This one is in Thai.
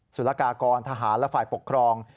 สุรกากรทหารและฝ่ายปกครอง